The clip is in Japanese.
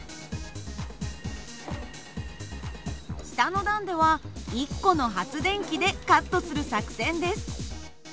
下の段では１個の発電機でカットする作戦です。